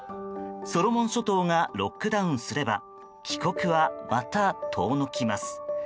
ソロモン諸島がロックダウンすれば帰国は、また遠のきます。